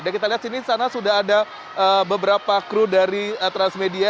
dan kita lihat disana sudah ada beberapa kru dari transmedia